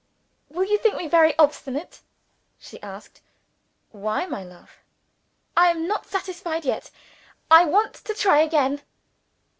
"Will you think me very obstinate?" she asked. "Why, my love?" "I am not satisfied yet. I want to try again."